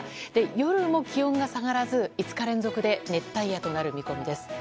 夜も気温が下がらず、５日連続で熱帯夜となる見込みです。